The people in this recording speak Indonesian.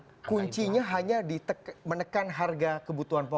jadi kuncinya hanya menekan harga kebutuhan pokok